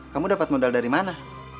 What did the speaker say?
kamu dapat modal dari mana